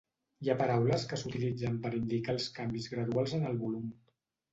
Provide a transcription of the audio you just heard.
Hi ha paraules que s'utilitzen per indicar els canvis graduals en el volum.